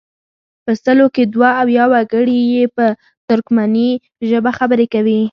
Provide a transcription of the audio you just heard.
په سلو کې دوه اویا وګړي یې په ترکمني ژبه خبرې کوي.